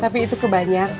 tapi itu kebanyakan